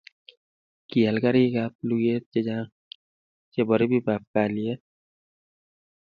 kial karik ab luget chechang chebo ribib ab kalyet